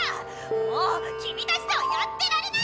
もうきみたちとはやってられないメラ！